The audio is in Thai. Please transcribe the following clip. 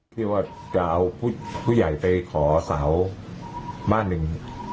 ความจริง